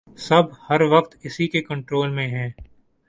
سب ہر وقت اسی کے کنٹرول میں ہیں